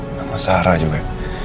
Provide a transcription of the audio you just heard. nama sarah juga